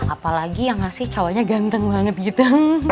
apalagi yang ngasih cowoknya ganteng banget gitu